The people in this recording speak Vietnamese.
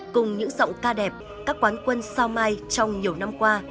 cùng những giọng ca đẹp các quán quân sao mai trong nhiều năm qua